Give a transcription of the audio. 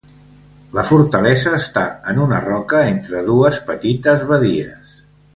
La fortalesa està en una roca entre dues petites badies.